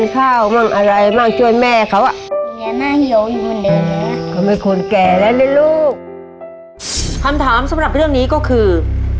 คำถามสำหรับเรื่องนี้ก็คือ